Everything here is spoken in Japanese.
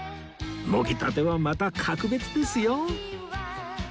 もぎたてはまた格別ですよ